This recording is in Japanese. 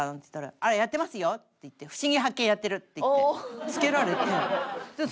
「あらやってますよ」って言って「『ふしぎ発見！』やってる」って言ってつけられて。